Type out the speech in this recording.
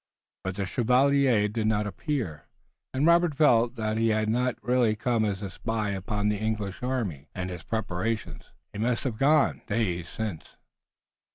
But the chevalier did not appear, and Robert felt that he had not really come as a spy upon the English army and its preparations. He must have gone, days since.